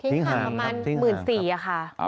ประมาณ๑๔๐๐๐ค่ะ